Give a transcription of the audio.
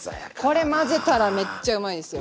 これ混ぜたらめっちゃうまいですよ。